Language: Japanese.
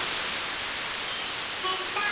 へった。